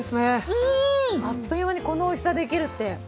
うん！あっという間にこのおいしさできるって。